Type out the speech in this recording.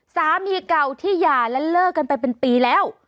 สามีเก่าที่หย่าและเลิกกันไปเป็นปีแล้ว